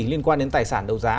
liên quan đến tài sản đấu giá